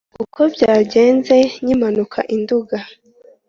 Uko byagenze nkimanuka i Nduga